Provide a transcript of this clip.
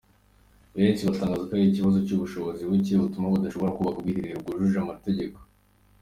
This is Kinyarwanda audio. Benshi batangaza ko ari ikibazo cy’ubushobozi buke, butuma badashobora kubaka ubwiherero bwujuje amategeko.